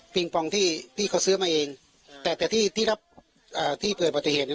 ปองที่พี่เขาซื้อมาเองแต่แต่ที่ที่รับอ่าที่เกิดปฏิเหตุเนี่ย